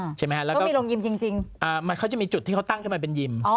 ใช่ไหมฮะแล้วก็มีโรงยิมจริงจริงอ่ามันเขาจะมีจุดที่เขาตั้งขึ้นมาเป็นยิมอ๋อ